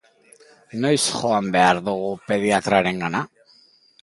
Noiz joan behar dugu pediatrarengana?